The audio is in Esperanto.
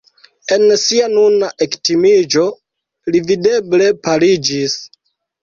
En sia nuna ektimiĝo li videble paliĝis.